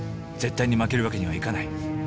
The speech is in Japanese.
絶対に負けるわけにはいかない。